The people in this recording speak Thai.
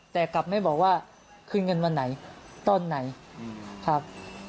แต่กลับไม่บอกว่าคืนเงินวันไหนตอนไหนครับ